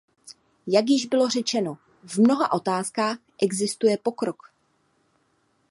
Jak již bylo řečeno, v mnoha otázkách existuje pokrok.